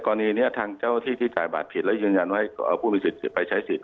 กรณีนี้ทางเจ้าที่ที่จ่ายบัตรผิดและยืนยันว่าเอาผู้มีสิทธิ์ไปใช้สิทธิ